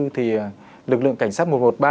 thì lực lượng cảnh sát một trăm một mươi ba